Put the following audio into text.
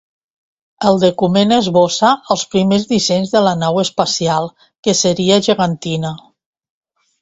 El document esbossa els primers dissenys de la nau espacial, que seria gegantina.